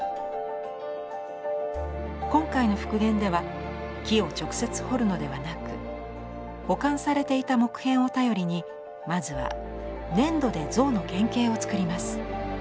今回の復元では木を直接彫るのではなく保管されていた木片を頼りにまずは粘土で像の原形をつくります。